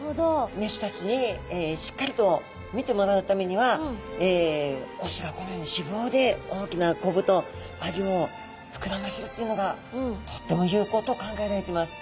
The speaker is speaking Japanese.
メスたちにしっかりと見てもらうためにはオスがこのように脂肪で大きなコブとアギョをふくらますっていうのがとっても有効と考えられています。